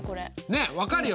ねっ分かるよね？